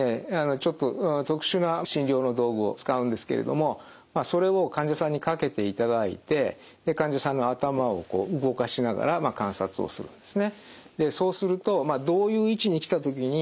ちょっと特殊な診療の道具を使うんですけれどもそれを患者さんにかけていただいてで患者さんの頭を動かしながら観察をするんですね。